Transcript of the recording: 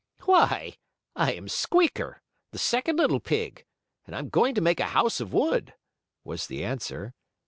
"Why, I am Squeaker, the second little pig, and I am going to make a house of wood," was the answer.